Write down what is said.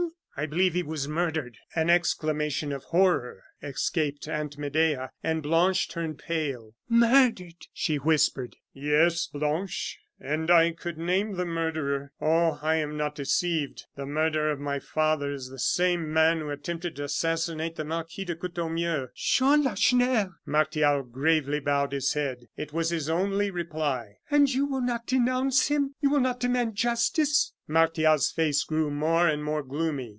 "I believe he was murdered." An exclamation of horror escaped Aunt Medea, and Blanche turned pale. "Murdered!" she whispered. "Yes, Blanche; and I could name the murderer. Oh! I am not deceived. The murderer of my father is the same man who attempted to assassinate the Marquis de Courtornieu " "Jean Lacheneur!" Martial gravely bowed his head. It was his only reply. "And you will not denounce him? You will not demand justice?" Martial's face grew more and more gloomy.